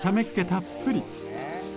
たっぷり。